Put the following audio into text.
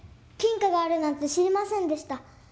金貨があるなんて知りませんでした。